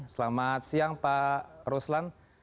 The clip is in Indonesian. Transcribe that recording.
selamat siang pak roslan